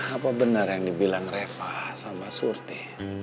apa benar yang dibilang reva sama surte